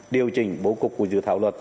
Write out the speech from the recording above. điều chỉnh bổ cục của dự thảo luật